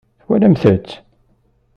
Twalamt-t?